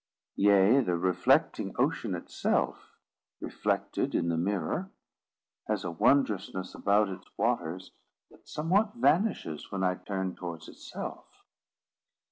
Yea, the reflecting ocean itself, reflected in the mirror, has a wondrousness about its waters that somewhat vanishes when I turn towards itself.